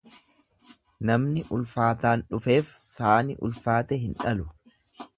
Namni ulfaataan dhufeef saani ulfaate hin dhalu.